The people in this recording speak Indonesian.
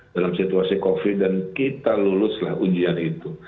dalam situasi covid dan kita luluslah ujian itu